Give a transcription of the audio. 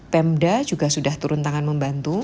pemda juga sudah turun tangan membantu